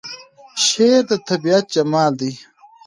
شعر د طبیعت جمال دی.